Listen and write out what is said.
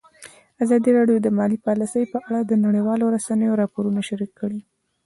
ازادي راډیو د مالي پالیسي په اړه د نړیوالو رسنیو راپورونه شریک کړي.